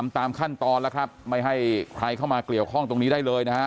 ตามขั้นตอนแล้วครับไม่ให้ใครเข้ามาเกี่ยวข้องตรงนี้ได้เลยนะฮะ